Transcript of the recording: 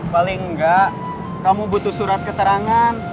paling enggak kamu butuh surat keterangan